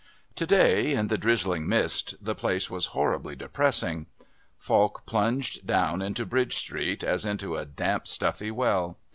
To day, in the drizzling mist, the place was horribly depressing. Falk plunged down into Bridge Street as into a damp stuffy well.